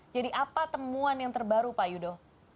jadi apa temuan yang terbaru pak yudo